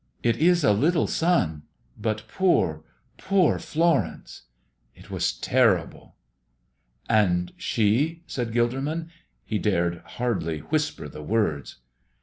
It is a little son. But poor, poor Florence. It was terrible!" "And she?" said Gilderman. He dared hardly whisper the words.